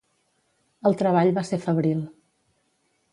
El treball va ser febril.